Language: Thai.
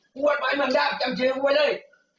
พูดหมายมันได้จำเชียวไว้เลย